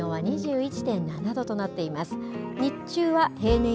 現在の気温は２１．７度となっています。